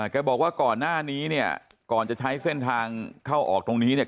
แกบอกว่าก่อนหน้านี้เนี่ยก่อนจะใช้เส้นทางเข้าออกตรงนี้เนี่ย